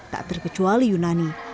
tak terkecuali yunani